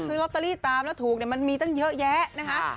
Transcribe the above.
ซื้อลอตเตอรี่ตามแล้วถูกเนี่ยมันมีตั้งเยอะแยะนะคะ